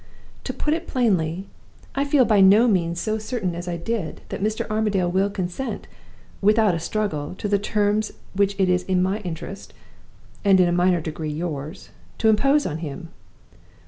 To put it plainly, I feel by no means so certain as I did that Mr. Armadale will consent, without a struggle, to the terms which it is my interest (and in a minor degree yours) to impose on him.